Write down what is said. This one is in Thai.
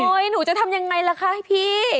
หนูจะทำยังไงล่ะคะพี่